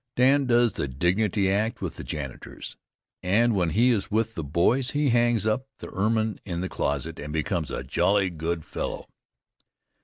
Dan does the dignity act with the janitors, and when he is with the boys he hangs up the ermine in the closet and becomes a jolly good fellow.